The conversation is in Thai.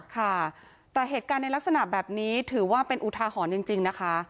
ค่ะแต่เหตุการณ์ในลักษณะแบบนี้ถือว่าเป็นอุทาหรณ์จริงนะคะ